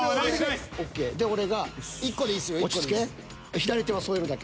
左手は添えるだけ。